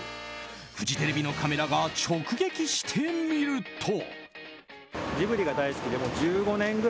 フジテレビのカメラが直撃してみると。